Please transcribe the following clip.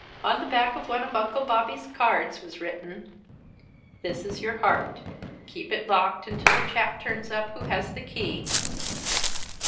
On the back of one of Uncle Bobby's cards was written: "This is your heart. Keep it locked until the chap turns up who has the key."